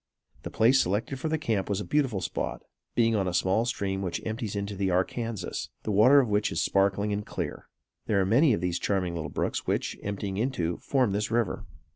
The place selected for their camp was a beautiful spot, being on a small stream which empties into the Arkansas, the water of which is sparkling and clear. There are many of these charming little brooks which, emptying into, form this river.